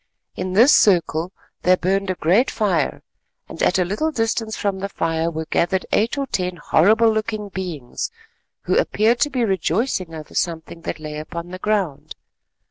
In this circle there burned a great fire, and at a little distance from the fire were gathered eight or ten horrible looking beings, who appeared to be rejoicing over something that lay upon the ground.